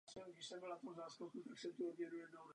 Různé programovací jazyky vyžadují různé techniky zpracování.